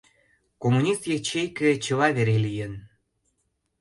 Коммунист ячейке чыла вере лийын.